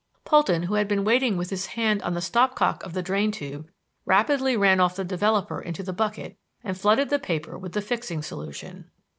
Polton, who had been waiting with his hand on the stop cock of the drain tube, rapidly ran off the developer into the bucket and flooded the paper with the fixing solution.